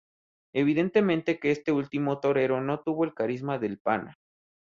Evidentemente que este último torero no tuvo el carisma del Pana.